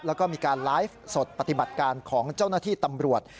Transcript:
แล้วก็มีการไลฟ์สดปฏิบัติการของเจ้าหน้าที่ตำรวจ